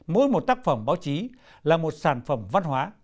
mỗi một tác phẩm báo chí là một sản phẩm văn hóa